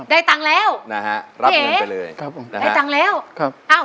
ได้ตังค์แล้วพี่เอ๋ได้ตังค์แล้ว